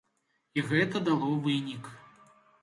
І гэта дало вынік.